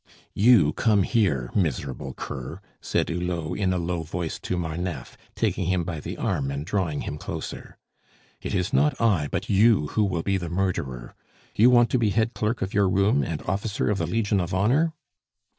"You, come here, miserable cur!" said Hulot in a low voice to Marneffe, taking him by the arm and drawing him closer. "It is not I, but you, who will be the murderer! You want to be head clerk of your room and officer of the Legion of Honor?"